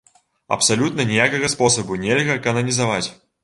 Абсалютна ніякага спосабу нельга кананізаваць.